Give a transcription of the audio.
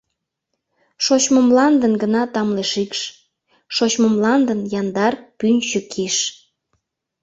Шочмо мландын гына тамле шикш, Шочмо мландын яндар пӱнчӧ киш.